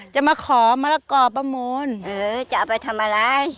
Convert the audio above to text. จะมาขอมะละกอประมูลจะเอาไปทำอะไร